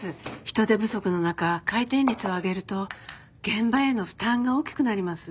人手不足の中回転率を上げると現場への負担が大きくなります。